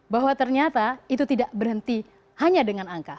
bahwa ternyata itu tidak berhenti hanya dengan angka